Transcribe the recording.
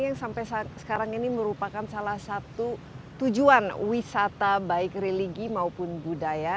yang sampai sekarang ini merupakan salah satu tujuan wisata baik religi maupun budaya